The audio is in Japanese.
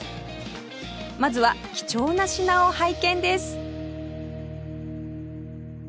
まずは貴重な品を拝見です